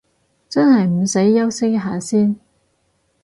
真係唔使休息一下先？